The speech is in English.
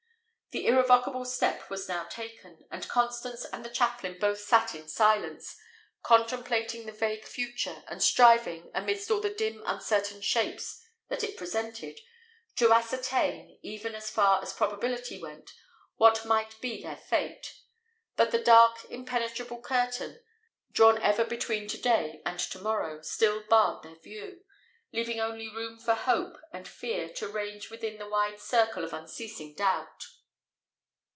The irrevocable step was now taken, and Constance and the chaplain both sat in silence, contemplating the vague future, and striving, amidst all the dim, uncertain shapes that it presented, to ascertain, even as far as probability went, what might be their fate. But the dark, impenetrable curtain, drawn ever between to day and to morrow, still barred their view, leaving only room for hope and fear to range within the wide circle of unceasing doubt.